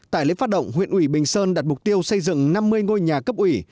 tại lễ phát động huyện ủy bình sơn đặt mục tiêu xây dựng năm mươi ngôi nhà cấp ủy